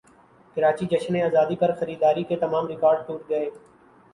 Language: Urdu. کراچی جشن زادی پرخریداری کے تمام ریکارڈٹوٹ گئے